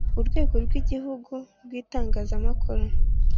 Urwego rw’igihugu rw’itangazamakuru